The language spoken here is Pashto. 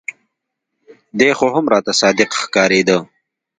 دى خو هم راته صادق ښکارېده.